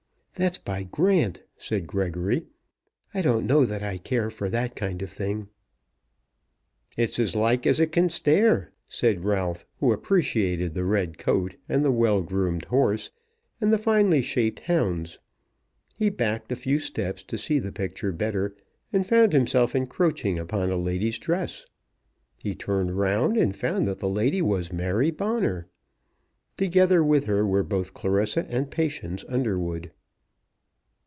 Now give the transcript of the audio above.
"That's by Grant," said Gregory. "I don't know that I care for that kind of thing." "It's as like as it can stare," said Ralph, who appreciated the red coat, and the well groomed horse, and the finely shaped hounds. He backed a few steps to see the picture better, and found himself encroaching upon a lady's dress. He turned round and found that the lady was Mary Bonner. Together with her were both Clarissa and Patience Underwood.